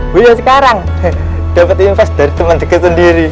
buya sekarang dapet invest dari temen ceket sendiri